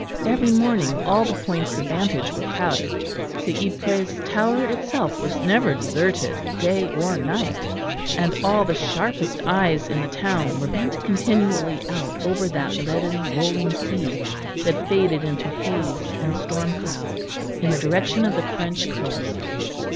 Every morning all the points of vantage were crowded; the Ypres tower itself was never deserted day or night; and all the sharpest eyes in the town were bent continually out over that leaden rolling sea that faded into haze and storm cloud in the direction of the French coast.